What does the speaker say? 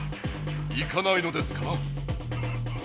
行かないのですかな？